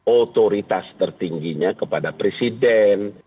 otoritas tertingginya kepada presiden